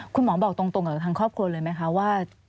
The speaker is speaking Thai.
คุณหมอบอกตรงกับทางครอบครัวเลยไหมคะว่า